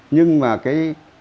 nhưng mà cái